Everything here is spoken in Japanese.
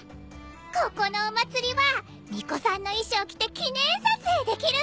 ここのお祭りはみこさんの衣装着て記念撮影できるさ！